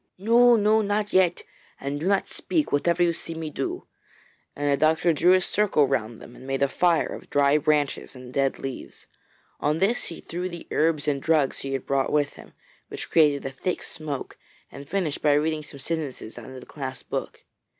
'No! no! not yet. And do not speak, whatever you see me do,' and the doctor drew a circle round them and made a fire of dry branches and dead leaves. On this he threw the herbs and drugs he had brought with him, which created a thick smoke, and finished by reading some sentences out of the clasped book.